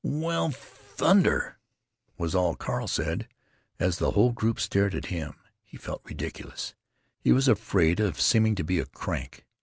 "Well, thunder——!" was all Carl said, as the whole group stared at him. He felt ridiculous; he was afraid of seeming to be a "crank."